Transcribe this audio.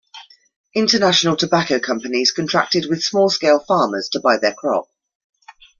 International tobacco companies contracted with small-scale farmers to buy their crop.